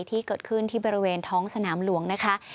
ที่เกิดขึ้นที่บริเวณท้องสนามหลวงนะคะ